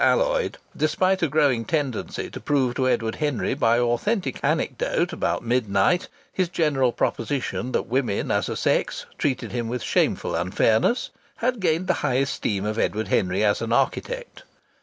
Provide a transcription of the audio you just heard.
Alloyd, despite a growing tendency to prove to Edward Henry by authentic anecdote, about midnight, his general proposition that women as a sex treated him with shameful unfairness, had gained the high esteem of Edward Henry as an architect.